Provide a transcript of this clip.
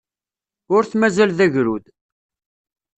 Ur t-mazal d agrud.